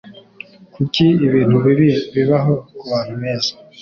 Kuki ibintu bibi bibaho kubantu beza?